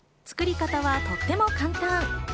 作り方はとっても簡単。